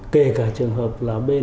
kể cả trường hợp là bên